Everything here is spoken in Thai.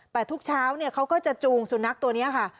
แต่ทุกเช้าเขาก็จะจูงสุนัขตัวนี้ค่ะ